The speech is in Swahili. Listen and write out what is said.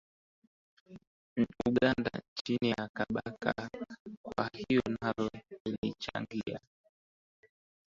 Uganda chini ya Kabaka Kwa hiyo nalo lilichangia